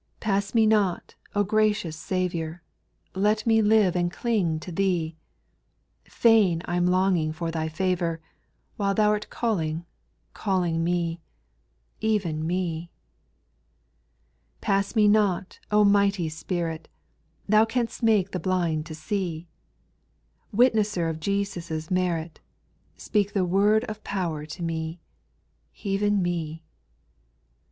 8. Pass me not, O gracious Saviour ; Let me live and cling to Thee ; Fain I 'm longing for Thy favour ; While Thou 'rt calling, calling me,— Even me, 4^ Pass me not, O mighty Spirit ; Thou can^st make the blind to see ; Witnesser of Jesus' merit. Speak the word of power to me, — Even me, 5.